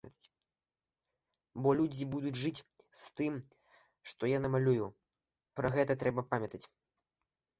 Бо людзі будуць жыць з тым, што я намалюю, пра гэта трэба памятаць.